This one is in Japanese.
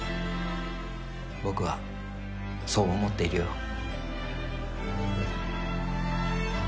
僕はそう思っているよ。